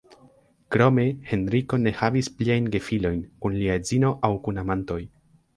Krome, Henriko ne havis pliajn gefilojn kun lia edzino aŭ kun amantoj.